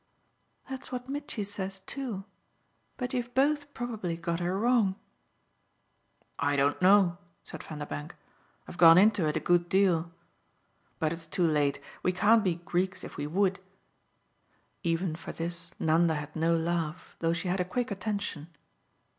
"That's what Mitchy says too. But you've both probably got her wrong." "I don't know," said Vanderbank "I've gone into it a good deal. But it's too late. We can't be Greeks if we would." Even for this Nanda had no laugh, though she had a quick attention.